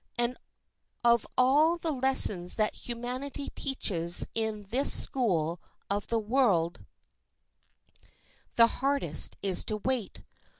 And of all the lessons that humanity teaches in this school of the world, the hardest is to wait.